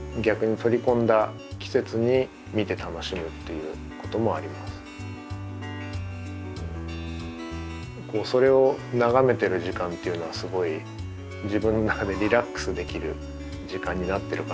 それを眺めてる時間っていうのはすごい自分の中でリラックスできる時間になってるかなと思います。